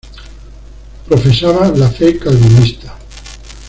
Profesaba la fe calvinista.